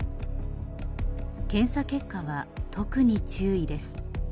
検査結果は、特に注意です。